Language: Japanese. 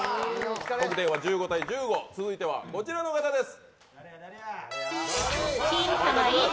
得点は１５対１５続いてはこちらのお題です。